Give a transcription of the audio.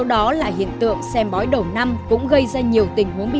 một trong số đó là hiện tượng xem bói đầu năm cũng gây ra nhiều tình huống bi hài